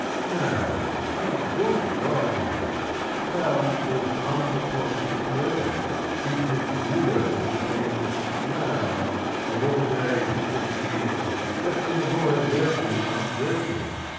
f'Now how good God is I How falls plumb to point This murder, gives me Guido to defend Now, of all days i' the year, just when the boy Verges on Virgil.